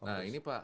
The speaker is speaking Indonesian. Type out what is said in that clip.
sama ya nah ini pak